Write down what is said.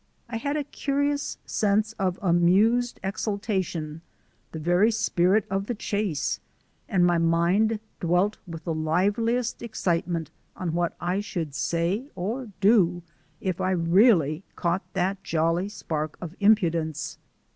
I had a curious sense of amused exultation, the very spirit of the chase, and my mind dwelt with the liveliest excitement on what I should say or do if I really caught that jolly spark of impudence.